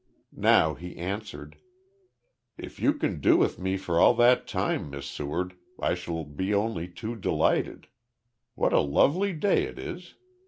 Now he answered: "If you can do with me for all that time, Miss Seward, I shall be only too delighted. What a lovely day it is.